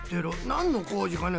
なんのこうじかな？